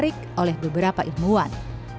eriq oleh beberapa ilmuwan